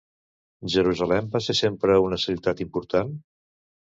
Jerusalem va ser sempre una ciutat important?